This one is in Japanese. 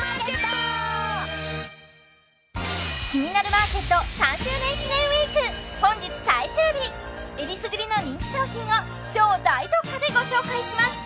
「キニナルマーケット」３周年記念ウイーク本日最終日えりすぐりの人気商品を超大特価でご紹介します